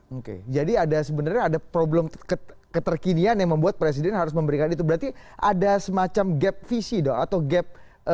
oke jadi sebenarnya ada problem keterkinian yang membuat presiden harus memberikan itu berarti ada semacam gap visi atau gap